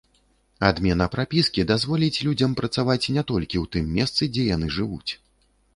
Адмена прапіскі дазволіць людзям працаваць не толькі ў тым месцы, дзе яны жывуць.